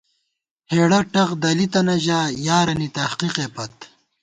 ہېڑہ ٹق دَلی تَنہ ژا ، یارَنی تحقیقے پت